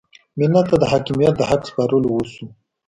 ملت ته د حاکمیت د حق سپارل وشو.